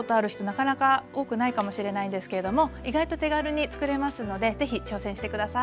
なかなか多くないかもしれないんですけれども意外と手軽につくれますので是非挑戦して下さい。